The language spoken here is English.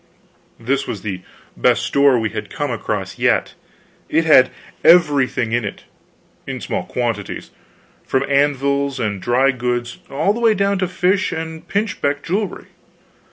This was the best store we had come across yet; it had everything in it, in small quantities, from anvils and drygoods all the way down to fish and pinchbeck jewelry.